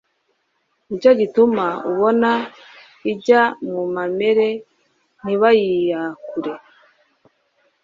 ni cyo gituma ubona ijya mu mamera ntibayakure